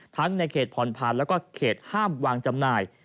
ทั้งในเขตผ่อนพันธุ์และเขตห้ามวางจำหน่าย